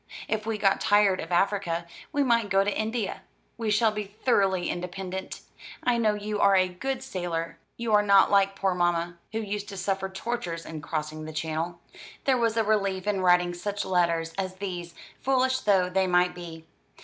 If we got tired of Africa we might go to India. We shall be thoroughly independent. I know you are a good sailor; you are not like poor mamma, who used to suffer tortures in crossing the Channel." There was a relief in writing such letters as these, foolish though they might be.